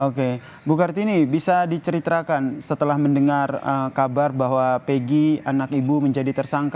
oke bu kartini bisa diceritakan setelah mendengar kabar bahwa pegi anak ibu menjadi tersangka